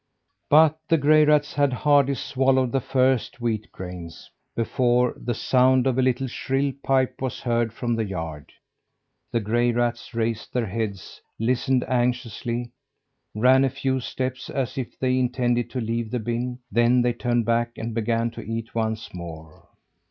But the gray rats had hardly swallowed the first wheat grains, before the sound of a little shrill pipe was heard from the yard. The gray rats raised their heads, listened anxiously, ran a few steps as if they intended to leave the bin, then they turned back and began to eat once more.